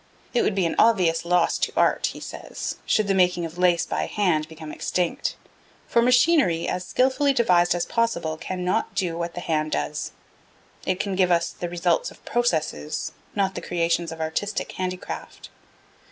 'It would be an obvious loss to art,' he says, 'should the making of lace by hand become extinct, for machinery, as skilfully devised as possible, cannot do what the hand does.' It can give us 'the results of processes, not the creations of artistic handicraft.'